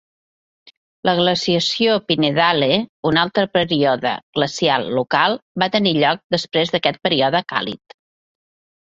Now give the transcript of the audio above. La glaciació Pinedale, un altre període glacial local, va tenir lloc després d'aquest període càlid.